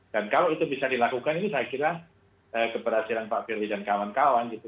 dan kalau itu bisa dilakukan ini saya kira keberhasilan pak firdy dan kawan kawan gitu